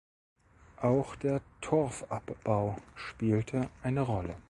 Auch der Torfabbau spielte eine Rolle.